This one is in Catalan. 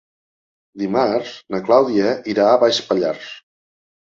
Dimarts na Clàudia irà a Baix Pallars.